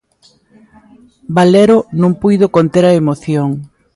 Valero non puido conter a emoción.